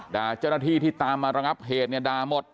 เจ้าหน้าที่ที่ตามมาระงับเหตุเนี่ยด่าหมด